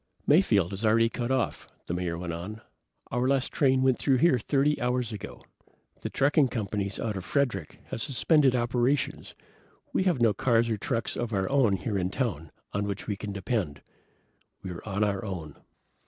"Mayfield is already cut off," the Mayor went on. "Our last train went through here 30 hours ago. The trucking companies out of Frederick have suspended operations. We have no cars or trucks of our own here in town, on which we can depend. We're on our own.